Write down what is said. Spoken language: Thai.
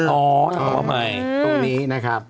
อ๋อตรงนี้นะครับ